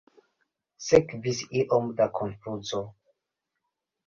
Sekvis iom da konfuzo.